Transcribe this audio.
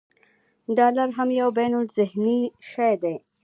ډالر هم یو بینالذهني شی دی.